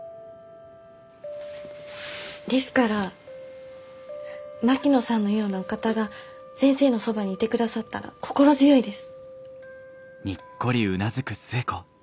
ですから槙野さんのようなお方が先生のそばにいてくださったら心強いです。